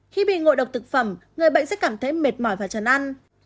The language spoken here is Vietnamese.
khi bị ngộ độc thực phẩm người bệnh sẽ cảm thấy mệt mỏi và chần ăn